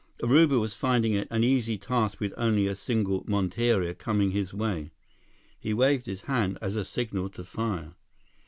Urubu was finding it an easy task with only a single monteria coming his way. He waved his hand as a signal to fire.